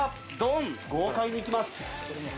豪快にいきます。